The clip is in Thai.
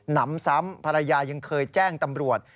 นำซ้ำภรรยายังเคยแจ้งตำรวจ